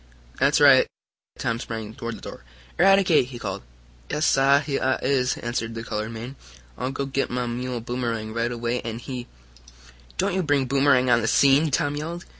"That's right." Tom sprang toward the door. "Eradicate!" he called. "Yais, sah! Heah I is!" answered the colored man. "I'll go git mah mule, Boomerang, right away, an' he " "Don't you bring Boomerang on the scene!" Tom yelled.